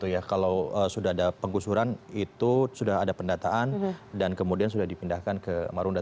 ya kalau sudah ada penggusuran itu sudah ada pendataan dan kemudian sudah dipindahkan ke marunda